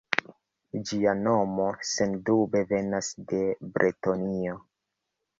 Ĝia nomo sendube venas de Bretonio.